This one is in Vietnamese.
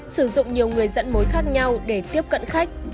sử dụng nhiều người dẫn mối khác nhau để tiếp cận khách